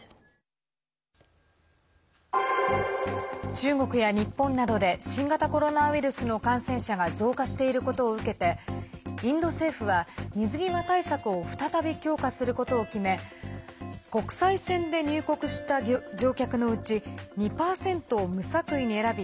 中国や日本などで新型コロナウイルスの感染者が増加していることを受けてインド政府は水際対策を再び強化することを決め国際線で入国した乗客のうち２％を無作為に選び